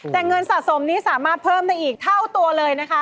แต่เงินสะสมนี้สามารถเพิ่มได้อีกเท่าตัวเลยนะคะ